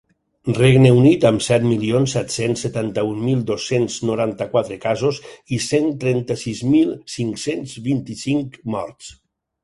Regne Unit, amb set milions set-cents setanta-un mil dos-cents noranta-quatre casos i cent trenta-sis mil cinc-cents vint-i-cinc morts.